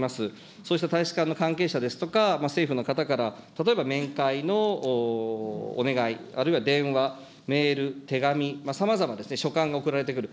そうした大使館の関係者ですとか、政府の方から、例えば面会のお願い、あるいは電話、メール、手紙、さまざま書簡が送られてくる。